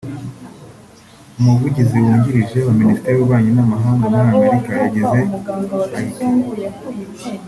umuvugizi wungirije wa Ministeri y’ububanyi n’amahanga muri Amerika yagize ait